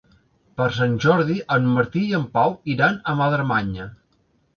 Per Sant Jordi en Martí i en Pau iran a Madremanya.